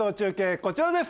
こちらです